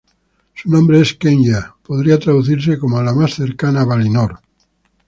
Su nombre es Quenya y podría traducirse como "La más cercana a Valinor".